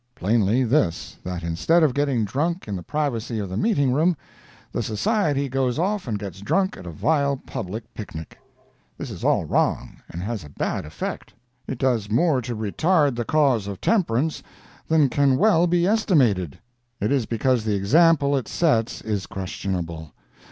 Plainly this, that instead of getting drunk in the privacy of the meeting room, the society goes off and gets drunk at a vile public picnic. This is all wrong, and has a bad effect. It does more to retard the cause of temperance than can well be estimated. It is because the example it sets is questionable.